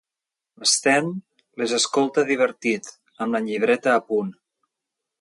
L'Sten les escolta divertit, amb la llibreta a punt.